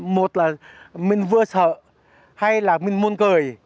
một là mình vừa sợ hay là mình muôn cười